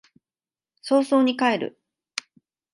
早々に帰る